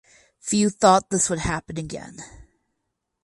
Few thought that this would happen again.